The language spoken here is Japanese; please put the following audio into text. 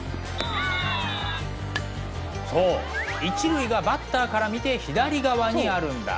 そう一塁がバッターから見て左側にあるんだ。